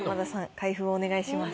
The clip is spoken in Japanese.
開封をお願いします。